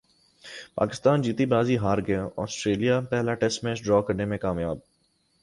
پاکستان جیتی بازی ہار گیا سٹریلیا پہلا ٹیسٹ میچ ڈرا کرنے میں کامیاب